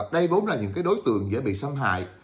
đây vốn là những đối tượng dễ bị xâm hại